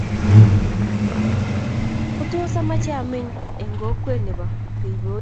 Ko tos amache ameny eng kokwet nebo beobeit